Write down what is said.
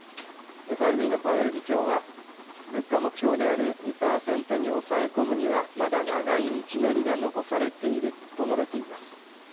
ＦＲＢのパウエル議長は「物価目標である２％に抑え込むにはまだ長い道のりが残されている」と述べています。